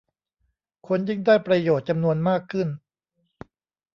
คนยิ่งได้ประโยชน์จำนวนมากขึ้น